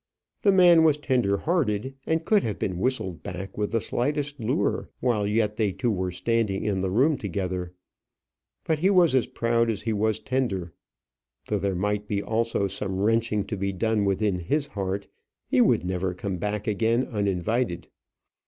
The man was tender hearted, and could have been whistled back with the slightest lure while yet they two were standing in the room together. But he was as proud as he was tender. Though there might also be some wrenching to be done within his heart, he would never come back again uninvited.